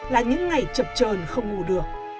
là những ngày chập trờn không ngủ được